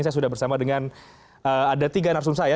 saya sudah bersama dengan ada tiga narasumsa ya